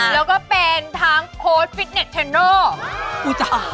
แล้วก็เป็นทั้งโพสต์ฟิตเน็ตเทอร์เนอล